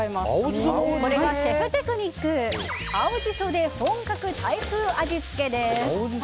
これがシェフテクニック青ジソでお手軽にタイ風味付け。